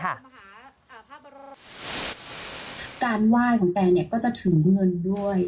การไหว้ของแปรนี่ก็จะถึงเงินด้วย